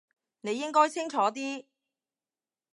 你應該清楚啲